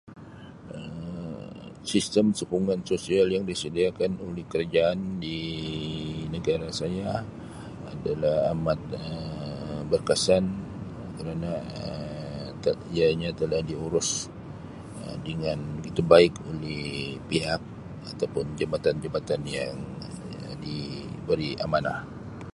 Um Sistem sokongan sosial yang disediakan oleh kerajaan di negara saya adalah amat Um berkesan kerana Um ianya telah diurus Um dengan begitu baik oleh pihak ataupun jabatan-jabatan yang diberi amanah.